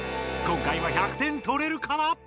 今回は１００点とれるかな？